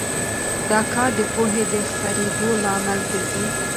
دا کار د پوهې د خپرېدو لامل ګرځي.